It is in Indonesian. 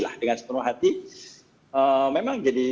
memang jadi lebih banyak